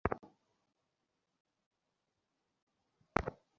এলাকায় বিষয়টি জানাজানি হলে গৃহবধূর লাশ বাড়িতে রেখে স্বামীসহ পরিবারের লোকজন পালিয়ে যান।